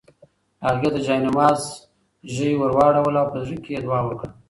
هغې د جاینماز ژۍ ورواړوله او په زړه کې یې دعا وکړه.